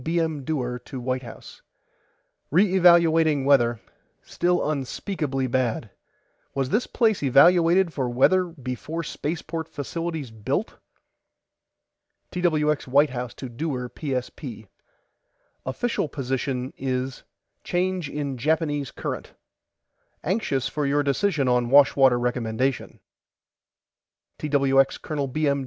B. M. DEWAR TO WHITE HOUSE: RE EVALUATING WEATHER STILL UNSPEAKABLY BAD WAS THIS PLACE EVALUATED FOR WEATHER BEFORE SPACEPORT FACILITIES BUILT TWX WHITE HOUSE TO DEWAR PSP: OFFICIAL POSITION IS CHANGE IN JAPANESE CURRENT ANXIOUS FOR YOUR DECISION ON WASHWATER RECOMMENDATION TWX COL. B. M.